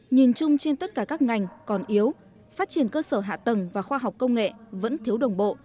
nhìn chung trên tất cả các ngành còn yếu phát triển cơ sở hạ tầng và khoa học công nghệ vẫn thiếu đồng bộ